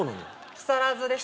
木更津です